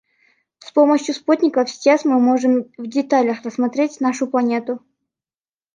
С помощью спутников сейчас мы можем в деталях рассмотреть нашу планету.